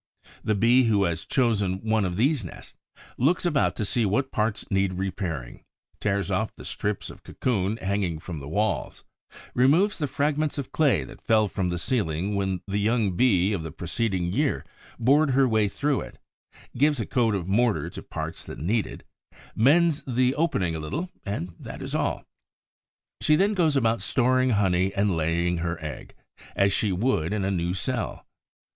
The Bee who has chosen one of these nests looks about to see what parts need repairing, tears off the strips of cocoon hanging from the walls, removes the fragments of clay that fell from the ceiling when the young Bee of the preceding year bored her way through it, gives a coat of mortar to parts that need it, mends the opening a little, and that is all. She then goes about storing honey and laying her egg, as she would in a new cell.